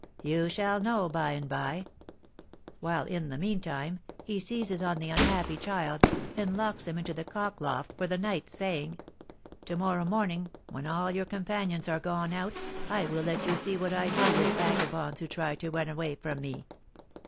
You shall know by and by. Well, in the meantime, he seizes on the unhappy child, and locks him into the cock loft for the night, saying, 'To morrow morning, when all your companions are gone out, I will let you see what I do with vagabonds who try to run away from me.'